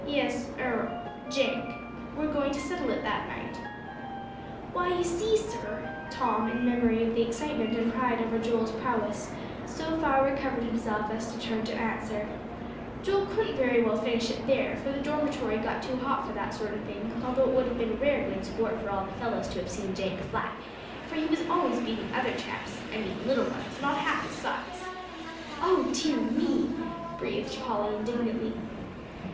"Yes er Jenk, were going to settle it that night?" "Why, you see, sir," Tom, in memory of the excitement and pride over Joel's prowess, so far recovered himself as to turn to answer, "Joel couldn't very well finish it there, for the dormitory got too hot for that sort of thing; although it would have been rare good sport for all the fellows to have seen Jenk flat, for he was always beating other chaps I mean little ones, not half his size." "Oh dear me!" breathed Polly indignantly.